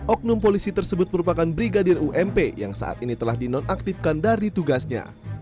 oknum polisi tersebut merupakan brigadir ump yang saat ini telah dinonaktifkan dari tugasnya